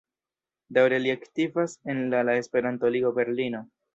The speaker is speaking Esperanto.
Daŭre li aktivas en la la Esperanto-Ligo Berlino.